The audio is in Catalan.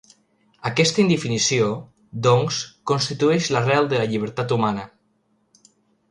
Aquesta indefinició, doncs, constitueix l'arrel de la llibertat humana.